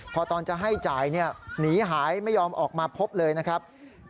พอตอนจะให้จ่ายหนีหายไม่ยอมออกมาพบเลยนะครับ